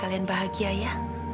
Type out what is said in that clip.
kalian bahagia ya